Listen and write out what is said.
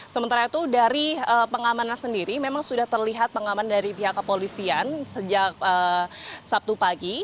sementara itu dari pengamanan sendiri memang sudah terlihat pengaman dari pihak kepolisian sejak sabtu pagi